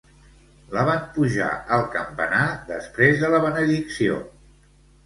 La van pujar al campanar després de la benedicció.